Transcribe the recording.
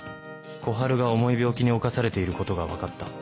小春が重い病気に侵されていることが分かった